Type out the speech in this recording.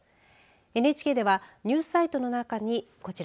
ＮＨＫではニュースサイトの中にこちら。